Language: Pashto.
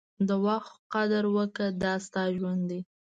د وخت قدر وکړه، دا ستا ژوند دی.